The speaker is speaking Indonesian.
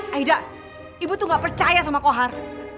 aida ibu tuh gak percaya sama kohar